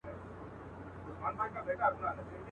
له ګرېوانه یې شلېدلي دُردانې وې.